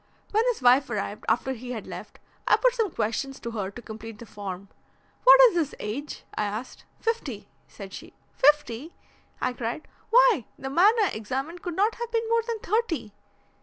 When his wife arrived, after he had left, I put some questions to her to complete the form. 'What is his age?' I asked. 'Fifty,' said she. 'Fifty!' I cried. 'Why, the man I examined could not have been more than thirty!